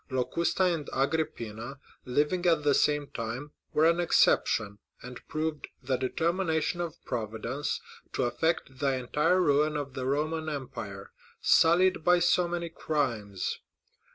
Locusta and Agrippina, living at the same time, were an exception, and proved the determination of Providence to effect the entire ruin of the Roman empire, sullied by so many crimes.